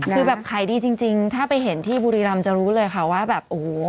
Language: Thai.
คือแบบขายดีจริงถ้าไปเห็นที่บุรีรำจะรู้เลยค่ะว่าแบบโอ้โห